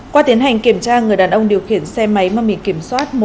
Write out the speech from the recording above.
qua tiến hành kiểm tra người đàn ông điều khiển xe máy mà mình kiểm soát